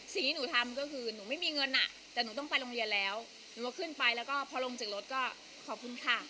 สิ่งที่หนูทำก็คือหนูไม่มีเงินอ่ะแต่หนูต้องไปโรงเรียนแล้วหนูก็ขึ้นไปแล้วก็พอลงจากรถก็ขอบคุณค่ะ